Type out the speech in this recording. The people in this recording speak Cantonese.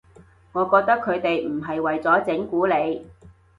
我覺得佢哋唔係為咗整蠱你